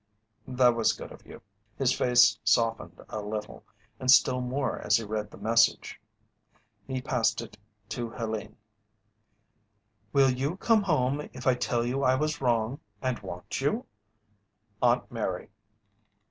"That was good of you." His face softened a little, and still more as he read the message. He passed it to Helene: Will you come home if I tell you I was wrong and want you? AUNT MARY.